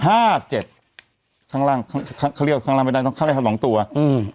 ห้าเจ็ดข้างล่างเขาเรียกข้างล่างไม่ได้เขาเรียกข้างล่างสองตัวอืม